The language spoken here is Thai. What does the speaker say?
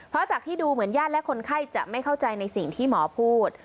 เพราะจากที่ดูเหมือนญาติและคนไข้จะไม่เข้าใจในสิ่งที่หมอพูด